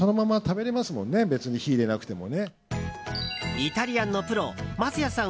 イタリアンのプロ桝谷さん